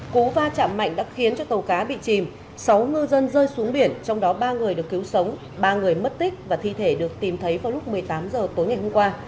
cú va chạm mạnh đã khiến cho tàu cá bị chìm sáu ngư dân rơi xuống biển trong đó ba người được cứu sống ba người mất tích và thi thể được tìm thấy vào lúc một mươi tám h tối ngày hôm qua